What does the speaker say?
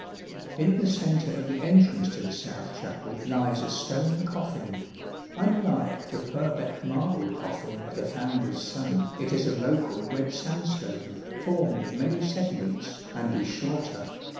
In the centre of the entrance to the south chapel lies a stone coffin. Unlike the Purbeck marble coffin of the founder's son, it is of local red sandstone, formed of many segments, and is shorter.